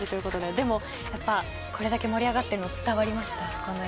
でも、これだけ盛り上がってるの伝わりました？